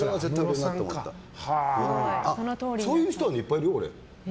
そういう人はいっぱいいるよ。